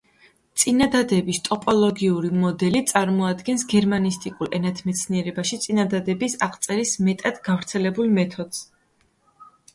წინადადების ტოპოლოგიური მოდელი წარმოადგენს გერმანისტიკულ ენათმეცნიერებაში წინადადების აღწერის მეტად გავრცელებულ მეთოდს.